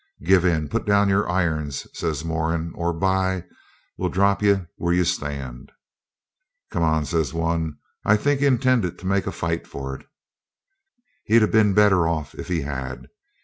'Give in! Put down your irons,' says Moran, 'or by , we'll drop ye where ye stand.' 'Come on,' says one, and I think he intended to make a fight for it. He'd 'a been better off if he had.